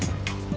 oke makasih ya